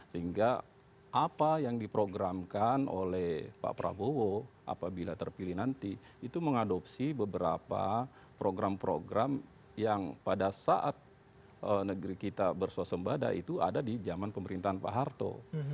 sehingga apa yang diprogramkan oleh pak prabowo apabila terpilih nanti itu mengadopsi beberapa program program yang pada saat negeri kita bersuasembada itu ada di zaman pemerintahan pak harto